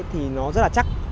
thì nó rất là chắc